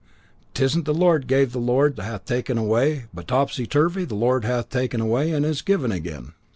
'Tisn't the Lord gave and the Lord hath taken away, but topsy turvy, the Lord hath taken away and is givin' again."